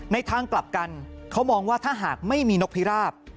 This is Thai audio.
ทางกลับกันเขามองว่าถ้าหากไม่มีนกพิราบ